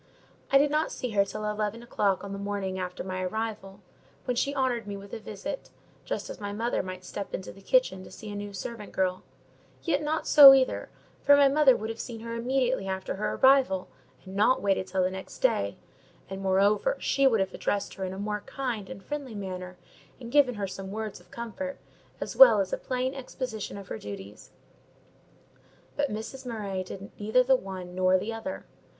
I did not see her till eleven o'clock on the morning after my arrival; when she honoured me with a visit, just as my mother might step into the kitchen to see a new servant girl: yet not so, either, for my mother would have seen her immediately after her arrival, and not waited till the next day; and, moreover, she would have addressed her in a more kind and friendly manner, and given her some words of comfort as well as a plain exposition of her duties; but Mrs. Murray did neither the one nor the other.